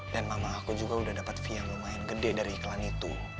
dan mama aku juga udah dapet fee yang lumayan gede dari iklan itu